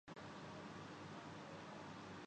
آسانیاں پیدا کرنی ہیں۔